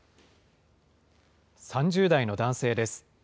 ３０代の男性です。